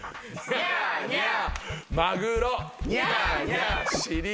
ニャーニャー。